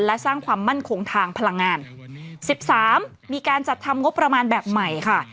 และสร้างความมั่นคงทางพลังงาน๑๓มีการจัดทำงบประมาณแบบใหม่ค่ะ